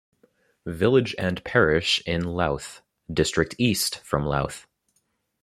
Village and parish in Louth district east from Louth.